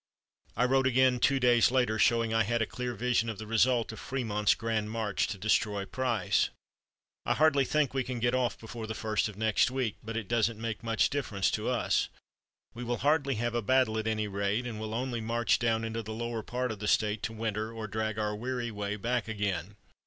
I wrote again two days later, showing that I had a clear vision of the result of Frémont's grand march to destroy Price: "I hardly think we can get off before the first of next week, but it doesn't make much difference to us. We will hardly have a battle at any rate, and will only march down into the lower part of the State to winter, or drag our weary way back again.